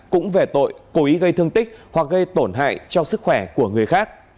cũng về tội cố ý gây thương tích hoặc gây tổn hại cho sức khỏe của người khác